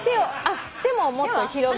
手ももっと広げ。